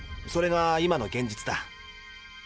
それが今の現実だ。